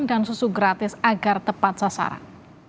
dan susu gratis agar tepat sasaran